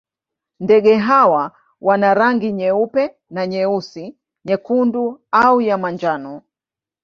Ndege hawa wana rangi nyeupe na nyeusi, nyekundu au ya manjano.